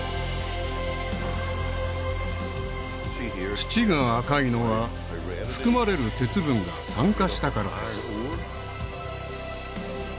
土が赤いのは含まれる鉄分が酸化したからです